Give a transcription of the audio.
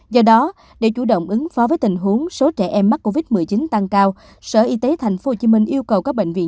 do đó để chủ động ứng phó với tình huống số trẻ em mắc covid một mươi chín tăng cao sở y tế tp hcm yêu cầu các bệnh viện